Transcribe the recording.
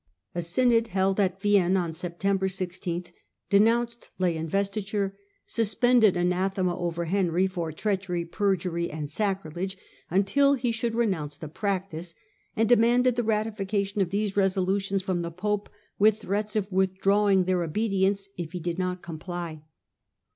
A Synod of synod held at Vienne on September 16 de tembe?i6^' uouuced lay investiture, suspended anathema over Henry for treachery, perjury, and sacrilege, until he should renounce the practice, and demanded the ratification of these resolutions from the pope, with threats of withdrawing their obedience if he did not comply.